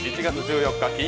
１月１４日